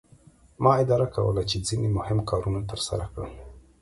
ما اداره کوله چې ځینې مهم کارونه ترسره کړم.